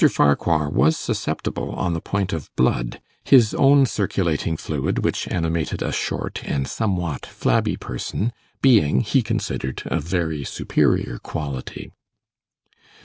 Farquhar was susceptible on the point of 'blood' his own circulating fluid, which animated a short and somewhat flabby person, being, he considered, of very superior quality.